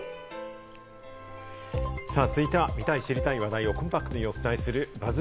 続いては、見たい、知りたい話題をコンパクトにお伝えするＢＵＺＺ